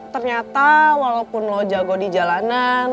ternyata walaupun lo jago di jalanan